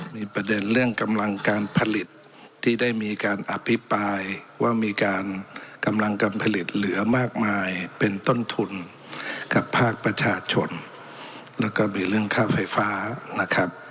มีประเด็นเรื่องกำลังการผลิตที่ได้มีการอภิปรายว่ามีการกำลังการผลิตเหลือมากมายเป็นต้นทุนกับภาคประชาชนแล้วก็มีเรื่องค่าไฟฟ้านะครับ